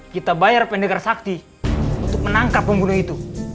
kita bayar pendengar sakti untuk menangkap pembunuh itu